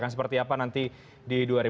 seperti apa nanti di dua ribu sembilan belas